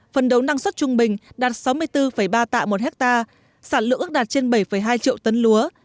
phần đầu năng suất trung bình đạt sáu mươi bốn ba tạ một hectare sản lượng ước đạt trên bảy hai triệu tấn lúa